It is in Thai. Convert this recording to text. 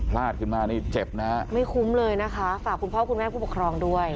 ขึ้นมานี่เจ็บนะฮะไม่คุ้มเลยนะคะฝากคุณพ่อคุณแม่ผู้ปกครองด้วย